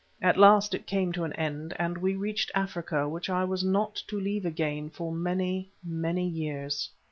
At last it came to an end, and we reached Africa, which I was not to leave again for many, many years.